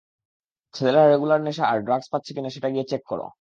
ছেলেরা রেগুলার নেশা আর ড্রাগস পাচ্ছে কিনা সেটা গিয়ে চেক কর।